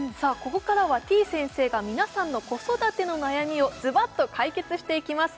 ここからはてぃ先生が皆さんの子育ての悩みをズバッと解決していきます